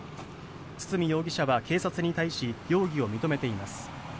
堤容疑者は警察に対し容疑を認めています。